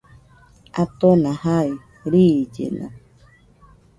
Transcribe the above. Atona jai, riillena